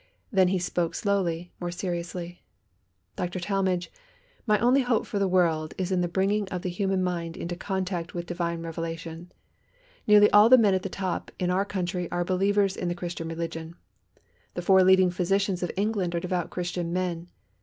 Then he spoke slowly, more seriously: "Dr. Talmage, my only hope for the world is in the bringing of the human mind into contact with divine revelation. Nearly all the men at the top in our country are believers in the Christian religion. The four leading physicians of England are devout Christian men.